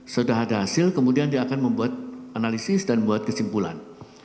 sudah ada hasil kemudian dia akan membuat analisis dan membuat kesimpulan